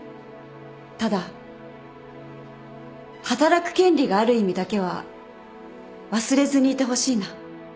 ただ働く権利がある意味だけは忘れずにいてほしいな。